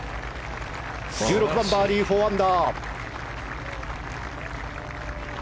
１６番、バーディー４アンダー。